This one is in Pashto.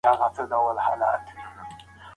دا زموږ وطن دی.